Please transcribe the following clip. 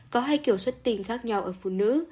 có hai kiểu xuất tinh khác nhau ở phụ nữ